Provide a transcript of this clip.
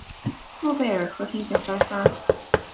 诺贝尔和平奖颁发。